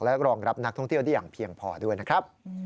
และรองรับนักท่องเที่ยวได้อย่างเพียงพอด้วยนะครับ